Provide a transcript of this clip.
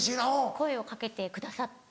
声を掛けてくださって。